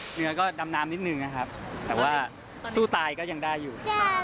เหนือก็ดำน้ำนิดนึงนะครับแต่ว่าสู้ตายก็ยังได้อยู่